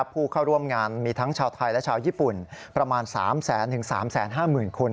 ผู้เข้าร่วมงานมีทั้งชาวไทยและชาวญี่ปุ่นประมาณ๓แสนถึง๓แสนห้าหมื่นคน